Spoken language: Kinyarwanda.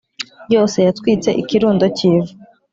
yose yatwitse ikirundo cy'ivu